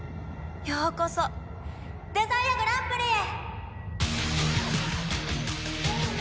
ようこそデザイアグランプリへ！